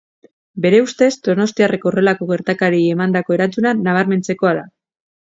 Bere ustez, donostiarrek horrelako gertakariei emandako erantzuna nabarmentzekoa da.